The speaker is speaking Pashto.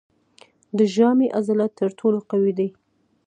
د ژامې عضلات تر ټولو قوي دي.